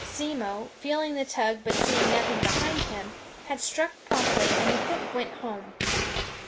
Simmo, feeling the tug but seeing nothing behind him, had struck promptly, and the hook went home.